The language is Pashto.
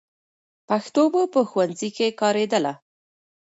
پښتو به په ښوونځي کې کارېدله.